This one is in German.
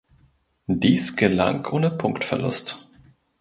Dies gelang ohne Punktverlust.